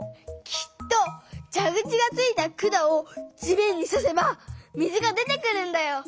きっとじゃぐちがついた管を地面にさせば水が出てくるんだよ。